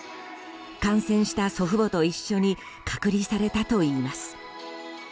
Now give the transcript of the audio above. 感染した祖父母と一緒に隔離されたといいます。